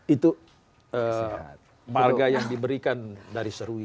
itu marga yang diberikan dari seruwi